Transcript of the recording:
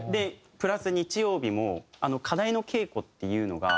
プラス日曜日も課題の稽古っていうのが。